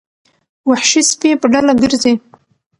وحشي سپي په ډله ګرځي.